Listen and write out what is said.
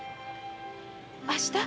明日？